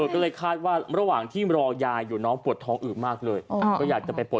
ก็เลยคาดว่าระหว่างที่รอยายอยู่น้องปวดท้องอืบมากเลย